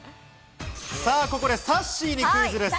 ここで、さっしーにクイズです。